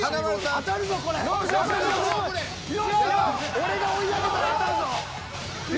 俺が追い上げたら当たるぞ。